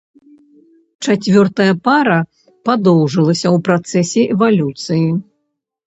Чацвёртая пара падоўжылася ў працэсе эвалюцыі.